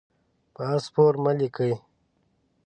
په آس سپور مه لیکئ.